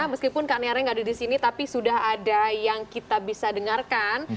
meskipun kak nearnya nggak ada di sini tapi sudah ada yang kita bisa dengarkan